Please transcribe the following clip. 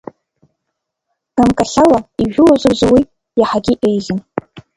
Ганкахьала, ижәылоз рзы уи иаҳагьы еиӷьын…